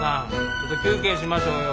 ちょっと休憩しましょうよ。